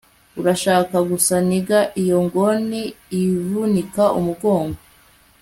urashaka gusa nigga iyo gon 'ivunika umugongo